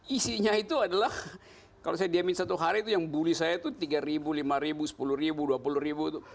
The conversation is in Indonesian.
isinya itu adalah kalau saya diamin satu hari yang bully saya itu rp tiga rp lima rp sepuluh rp dua puluh